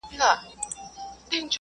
لږ خوړل هاضمه ښه کوي